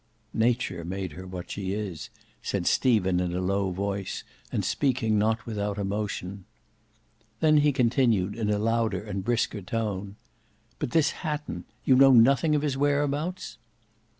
"Nature made her what she is," said Stephen in a low voice, and speaking not without emotion. Then he continued, in a louder and brisker tone, "But this Hatton—you know nothing of his whereabouts?"